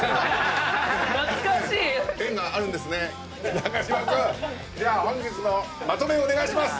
中島君じゃあ本日のまとめをお願いします！